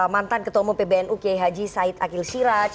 mantan ketua umum pbnu kiai haji said akil siraj